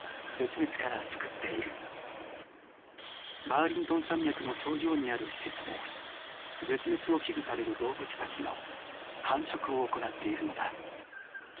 バーリントン山脈の頂上にある施設で絶滅を危惧される動物たちの繁殖を行っているのだ。